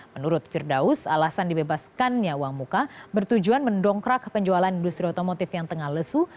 menurut firdaus alasan dibebaskannya uang muka bertujuan mendongkrak penjualan industri otomotif yang tengah lesu